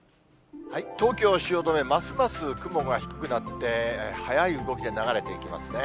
東京・汐留、ますます雲が低くなって、速い動きで流れていきますね。